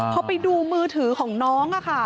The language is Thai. พอไปดูมือถือของน้องค่ะ